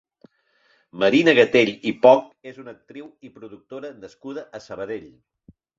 Marina Gatell i Poch és una actriu i productora nascuda a Sabadell.